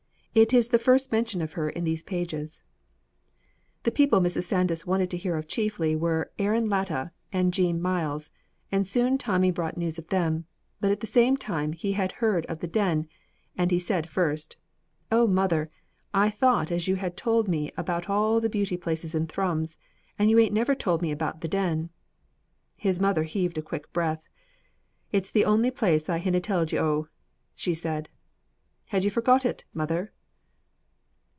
It is the first mention of her in these pages. The people Mrs. Sandys wanted to hear of chiefly were Aaron Latta and Jean Myles, and soon Tommy brought news of them, but at the same time he had heard of the Den, and he said first: "Oh, mother, I thought as you had told me about all the beauty places in Thrums, and you ain't never told me about the Den." His mother heaved a quick breath. "It's the only place I hinna telled you o'," she said. "Had you forget, it mother?"